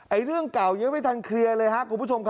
เอาเรื่องเก่ายังไม่ทันเคลียนเลย